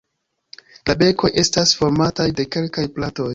La bekoj estas formataj de kelkaj platoj.